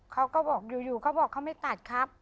เขาก็บอกอยู่เขาบอกเขาไม่ตัดครับ